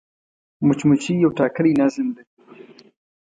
مچمچۍ یو ټاکلی نظم لري